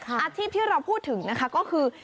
อาชีพที่เราพูดถึงนะคะก็คือ